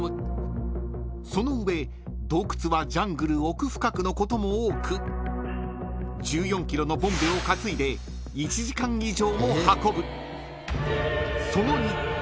［その上洞窟はジャングル奥深くのことも多く１４ｋｇのボンベを担いで１時間以上も運ぶ］